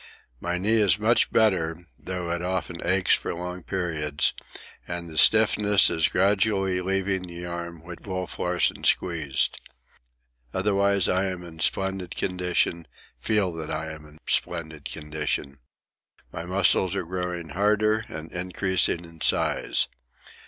My knee is much better, though it often aches for long periods, and the stiffness is gradually leaving the arm which Wolf Larsen squeezed. Otherwise I am in splendid condition, feel that I am in splendid condition. My muscles are growing harder and increasing in size.